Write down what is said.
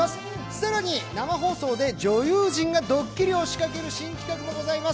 更に生放送で女優陣がドッキリを仕掛ける新企画があります。